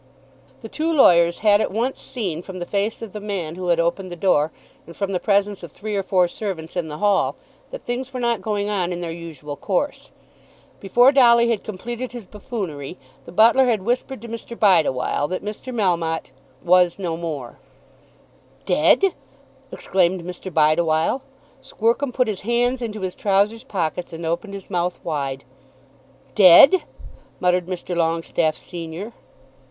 The two lawyers had at once seen, from the face of the man who had opened the door and from the presence of three or four servants in the hall, that things were not going on in their usual course. Before Dolly had completed his buffoonery the butler had whispered to Mr. Bideawhile that Mr. Melmotte "was no more." "Dead!" exclaimed Mr. Bideawhile. Squercum put his hands into his trowsers pockets and opened his mouth wide. "Dead!" muttered Mr. Longestaffe senior.